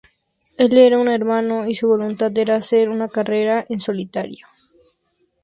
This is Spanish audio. Él era un hermano y su voluntad era hacer una carrera en solitario.